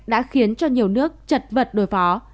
đã khiến cho nhiều nước chật vật đối phó